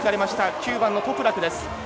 ９番のトプラクです。